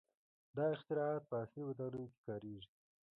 • دا اختراعات په عصري ودانیو کې کارېږي.